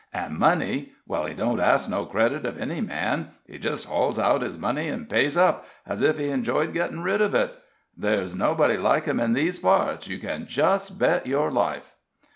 And money well, he don't ask no credit of no man: he just hauls out his money and pays up, as if he enjoyed gettin' rid of it. There's nobody like him in these parts, you can just bet your life."